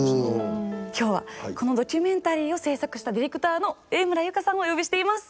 今日はこのドキュメンタリーを制作したディレクターの植村優香さんをお呼びしています。